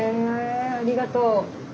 ありがとう。